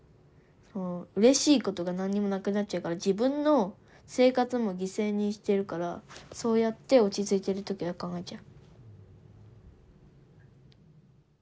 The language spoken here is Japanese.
うれしいことが何にもなくなっちゃうから自分の生活も犠牲にしてるからそうやって落ち着いてる時は考えちゃう。